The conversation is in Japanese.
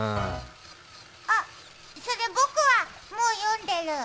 あっ、それ、僕はもう読んでる。